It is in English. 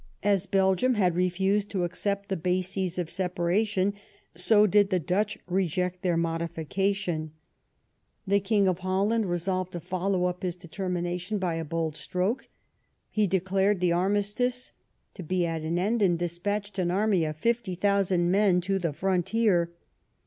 As Belgium had refused to accept the bases of separa tion, so did the Dutch reject their modification. The BELGIAN INDEFENDENGE. 47 King of Holland resolved to follow up this determination by a bold stroke ; he declared the armistice to be at an end^ and despatched an army of 50,000 men to the frontier.